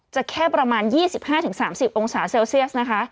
จะแค่ประมาณ๒๕๓๐องศาเซลเซียสนะคะ